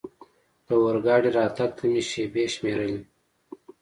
اورګاډي راتګ ته مې شېبې شمېرلې.